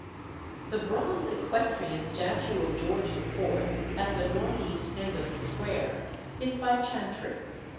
The bronze equestrian statue of George IV., at the north east end of the square, is by Chantrey.